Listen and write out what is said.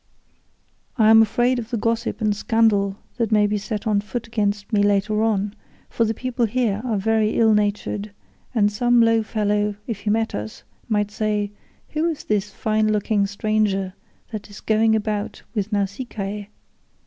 "I am afraid of the gossip and scandal that may be set on foot against me later on; for the people here are very ill natured, and some low fellow, if he met us, might say, 'Who is this fine looking stranger that is going about with Nausicaa?